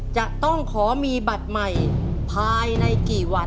จะต้องขอมีบัตรใหม่ภายในกี่วัน